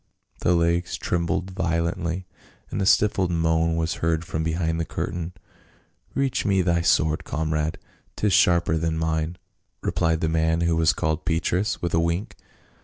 The legs trembled violently, and a stifled moan was heard from behind the curtain. " Reach me thy sword, comrade, 'tis sharper than mine," replied the man who was called Petrus, with a wink.